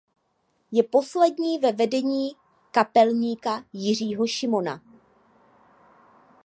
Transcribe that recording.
Je poslední ve vedení kapelníka Jiřího Šimona.